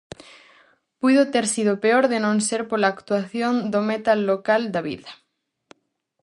Puido ter sido peor de non ser pola actuación do metal local David.